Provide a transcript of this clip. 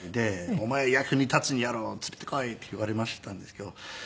お前役に立つんやろつれてこいって言われましたんですけど。